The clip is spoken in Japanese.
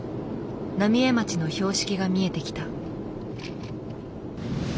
浪江町の標識が見えてきた。